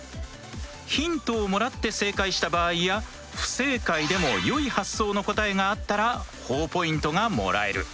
ヒントをもらって正解した場合や不正解でも良い発想の答えがあったらほぉポイントがもらえる。